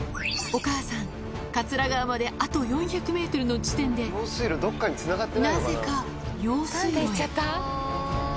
お母さん、桂川まであと４００メートルの地点で、なぜか用水路へ。